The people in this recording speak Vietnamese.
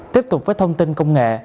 tiếp tục với thông tin công nghệ